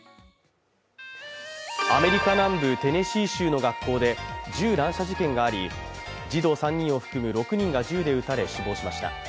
アメリカ南部テネシー州の学校で銃乱射事件があり児童３人を含む６人が銃で撃たれ、死亡しました。